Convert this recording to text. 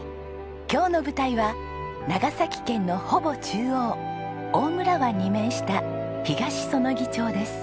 今日の舞台は長崎県のほぼ中央大村湾に面した東彼杵町です。